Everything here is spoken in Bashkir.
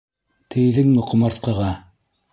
Тейҙеңме ҡомартҡыға?!